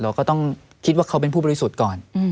เราก็ต้องคิดว่าเขาเป็นผู้บริสุทธิ์ก่อน